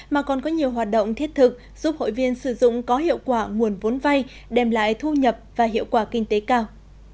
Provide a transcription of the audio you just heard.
mà còn có nhiều hoạt động thiết thực giúp hội viên sử dụng có hiệu quả nguồn vốn vay đem lại thu nhập và hiệu quả kinh tế cao